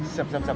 siap siap siap